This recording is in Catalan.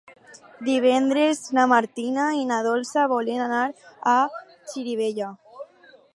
Divendres na Martina i na Dolça volen anar a Xirivella.